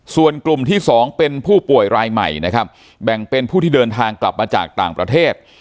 ส่วนกลุ่มที่๒เป็นผู้ป่วยรายใหม่นะครับแบ่งเป็นผู้ที่เดินทางกลับมาจากต่างประเทศ